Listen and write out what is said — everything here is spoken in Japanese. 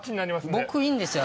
僕いいんですよ！